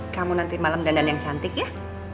kamu nanti malem dandan yang cantik ya